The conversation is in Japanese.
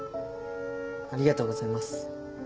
ありがとうございます。